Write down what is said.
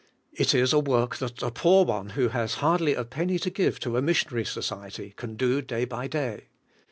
It is a work that a poor one who has hardly a penny to give to a mission ary society can do day by day.